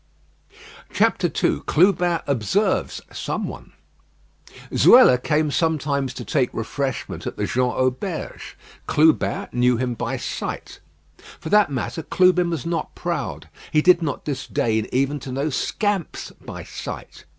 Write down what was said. II CLUBIN OBSERVES SOMEONE Zuela came sometimes to take refreshment at the Jean Auberge. Clubin knew him by sight. For that matter Clubin was not proud. He did not disdain even to know scamps by sight.